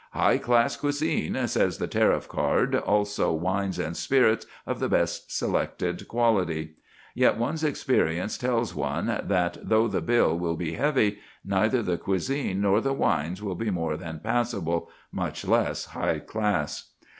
"High class cuisine," says the tariff card, also "wines and spirits of the best selected quality." Yet one's experience tells one that, though the bill will be heavy, neither the cuisine nor the wines will be more than passable, much less high class.